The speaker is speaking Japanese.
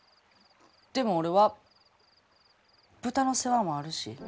でも俺は豚の世話もあるし。